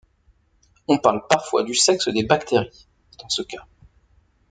On parle parfois du sexe des bactéries, dans ce cas.